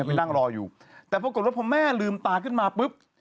ไปนั่งรออยู่แต่ปรากฏว่าพอแม่ลืมตาขึ้นมาปุ๊บ